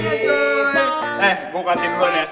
eh gue buka tim gue nih ya